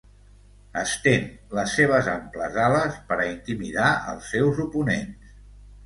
Estén les seves amples ales per a intimidar els seus oponents.